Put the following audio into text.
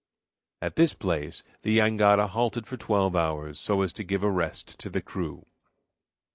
At this place the jangada halted for twelve hours, so as to give a rest to the crew.